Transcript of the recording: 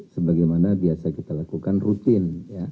sebagaimana biasa kita lakukan rutin